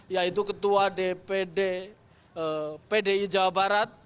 yaitu ketua dpd pdi jawa barat